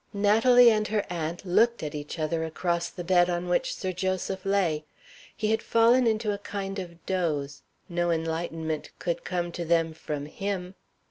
Natalie and her aunt looked at each other across the bed on which Sir Joseph lay. He had fallen into a kind of doze; no enlightenment could come to them from him.